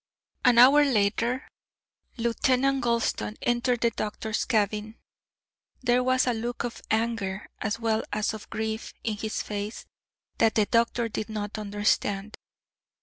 An hour later Lieutenant Gulston entered the doctor's cabin. There was a look of anger as well as of grief on his face that the doctor did not understand.